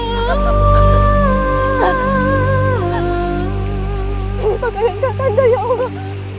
ini pakaian kakanda ya allah